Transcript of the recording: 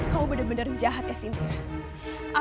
kamu bener bener jahat ya sintia